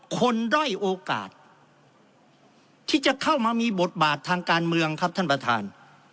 ด้อยโอกาสที่จะเข้ามามีบทบาททางการเมืองครับท่านประธาน